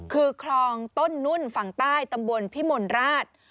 คือคลองต้นนุ่นฝั่งใต้ตำบลพิมลราช